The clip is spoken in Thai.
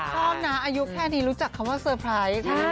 ชอบนะอายุแค่นี้รู้จักคำว่าเซอร์ไพรส์